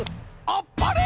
あっぱれ！